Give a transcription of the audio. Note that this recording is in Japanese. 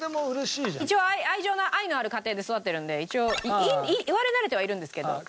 一応愛情の愛のある家庭で育ってるんで一応言われ慣れてはいるんですけど。